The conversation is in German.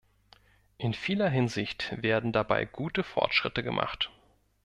In vieler Hinsicht werden dabei gute Fortschritte gemacht.